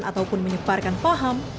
ataupun menyeparkan paham